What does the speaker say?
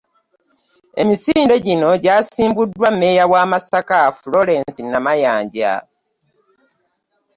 Emisinde gino gyasimbuddwa mmeeya wa Masaka, Florence Namayanja.